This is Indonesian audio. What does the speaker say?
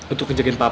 untuk kejegahin papa